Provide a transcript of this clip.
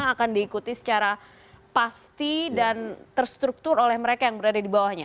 akan diikuti secara pasti dan terstruktur oleh mereka yang berada di bawahnya